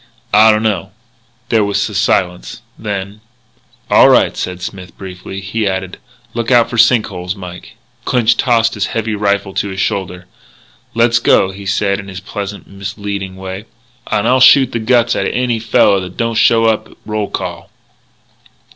"I dunno." There was a silence. Then, "All right," said Smith, briefly. He added: "Look out for sink holes, Mike." Clinch tossed his heavy rifle to his shoulder: "Let's go," he said in his pleasant, misleading way, " and I'll shoot the guts outa any fella that don't show up at roll call."